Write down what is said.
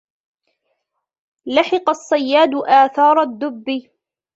لحِق الصياد آثار الدب.